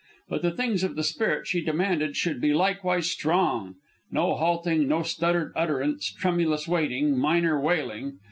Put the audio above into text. But the things of the spirit she demanded should be likewise strong. No halting, no stuttered utterance, tremulous waiting, minor wailing!